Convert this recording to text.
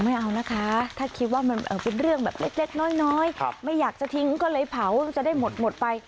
ไม่เอานะคะถ้าคิดว่ามันเป็นเรื่องแบบเล็กน้อยไม่อยากจะทิ้งก็เลยเผาจะได้หมดไป